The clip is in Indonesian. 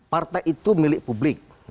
partai itu milik publik